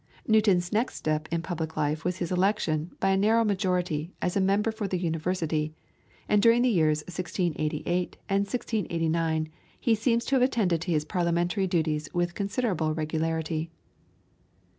Newton's next step in public life was his election, by a narrow majority, as member for the University, and during the years 1688 and 1689, he seems to have attended to his parliamentary duties with considerable regularity.